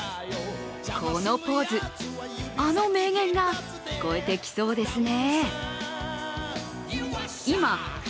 このポーズあの名言が聞こえてきそうですね。